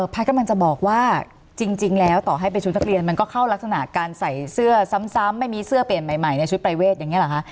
กำลังจะบอกว่าจริงแล้วต่อให้เป็นชุดนักเรียนมันก็เข้ารักษณะการใส่เสื้อซ้ำไม่มีเสื้อเปลี่ยนใหม่ในชุดปรายเวทอย่างนี้หรอคะ